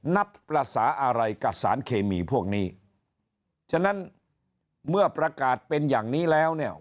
นับภาษาอะไรกับสารเคมีพวกนี้ฉะนั้นเมื่อประกาศเป็นอย่างนี้แล้วเนี่ย